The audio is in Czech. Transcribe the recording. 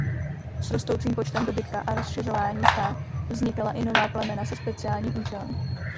S rostoucím počtem dobytka a rozšiřování stád vznikala i nová plemena se speciálním účelem.